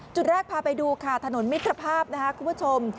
จุดแรกพาไปดูค่ะถนนมิตรภาพนะคะคุณผู้ชม